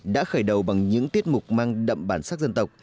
đã khởi đầu bằng những tiết mục mang đậm bản sắc dân tộc